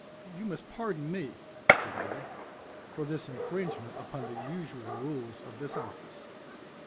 "You must pardon me," said I, "for this infringement upon the usual rules of this office.